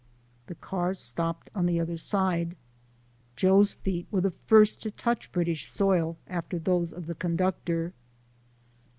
The cars stopped on the other side. Joe's feet were the first to touch British soil, after those of the conductor.